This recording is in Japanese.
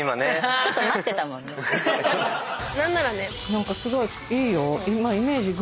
何かすごいいいよ。